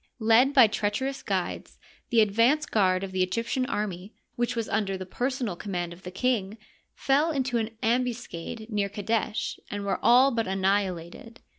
Led by treach erous guides, the advance guard of the Egyptian army, which was under the personal command of the king, fell into an ambuscade near Qadesh and were all but anni hilated.